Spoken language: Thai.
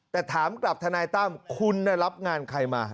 แต่ถามกับทนายตั้มคุณรับงานใครมา